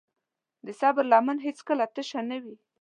د صبر لمن هیڅکله تشه نه وي.